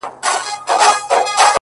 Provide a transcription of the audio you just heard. تا چي پر لمانځه له ياده وباسم-